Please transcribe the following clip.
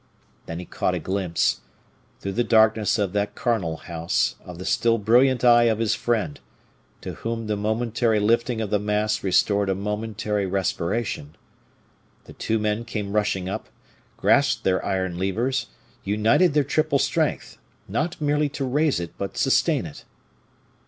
Then he caught a glimpse, through the darkness of that charnel house, of the still brilliant eye of his friend, to whom the momentary lifting of the mass restored a momentary respiration. The two men came rushing up, grasped their iron levers, united their triple strength, not merely to raise it, but sustain it.